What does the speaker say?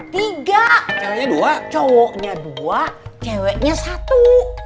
tiga caranya dua cowoknya dua ceweknya satu